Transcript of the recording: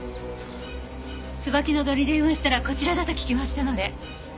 椿乃堂に電話したらこちらだと聞きましたので。